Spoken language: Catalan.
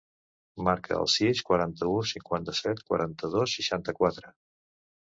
Marca el sis, quaranta-u, cinquanta-set, quaranta-dos, seixanta-quatre.